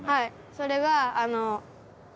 それが。